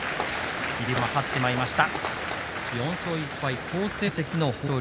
霧馬山、はってしまいました。